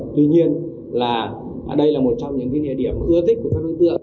tuy nhiên là đây là một trong những địa điểm ưa thích của các đối tượng